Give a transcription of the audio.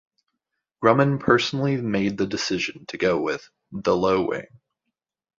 Grumman personally made the decision to go with "the low wing".